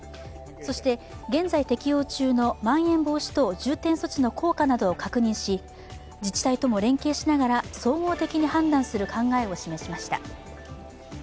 そして現在適用中のまん延防止等重点措置の効果などを確認し、自治体とも連携しながら総合的に判断する考えを示しました。